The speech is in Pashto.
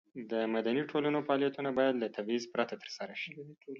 د مدني ټولنې فعالیتونه باید له تبعیض پرته ترسره شي.